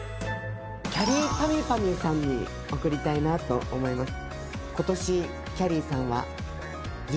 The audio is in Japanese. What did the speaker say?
きゃりーぱみゅぱみゅさんに送りたいなと思います。